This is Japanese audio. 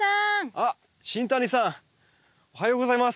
あっ新谷さん！おはようございます！